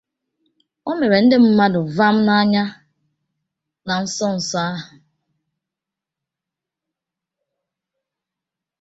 o mere ndị mmadụ vam n'anya na nso nso a